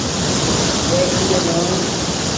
موباݵل نی دے نا